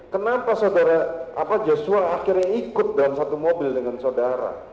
kenapa saudara joshua akhirnya ikut dalam satu mobil dengan saudara